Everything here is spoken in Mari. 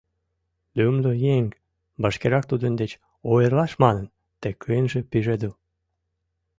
Лӱмлӧ еҥ — вашкерак тудын деч ойырлаш манын, тек ынже пижедыл.